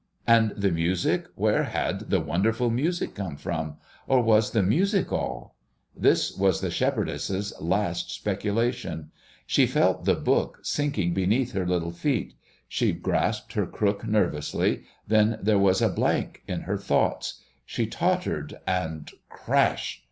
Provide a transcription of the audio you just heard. And the music, where had the wonderful music come from, or was the music all? This was the shepherdess's last speculation. She felt the book sinking beneath her little feet; she grasped her crook nervously; then there was a blank in her thoughts; she tottered, and crash!